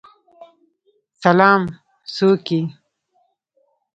سلام، څوک یی؟